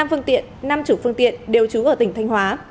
năm phương tiện năm chủ phương tiện đều trú ở tỉnh thanh hóa